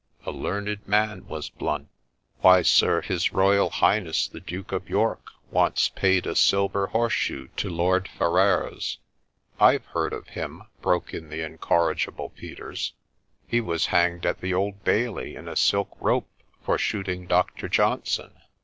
' A learned man was Blount ! Why, sir, His Eoyal Highness the Duke of York once paid a silver horse shoe to Lord Ferrers ' 4 I've heard of him,' broke in the incorrigible Peters ;' he was hanged at the Old Bailey in a silk rope, for shooting Dr. Johnson.'